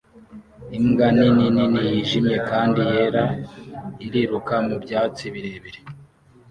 Imbwa nini nini yijimye kandi yera iriruka mu byatsi birebire